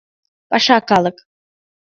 Паша калык